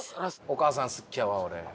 お母さん好きやわ俺。